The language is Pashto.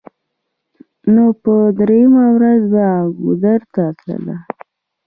نو په درېمه ورځ به ګودر ته تله.